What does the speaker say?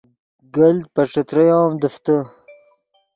گلت پے ݯتریو ام دیفتے